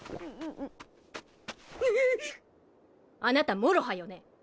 あなたもろはよね？